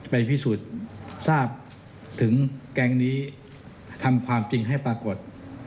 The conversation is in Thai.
ไปพิสูจน์ทราบถึงแก๊งนี้ทำความจริงให้ปรากฏ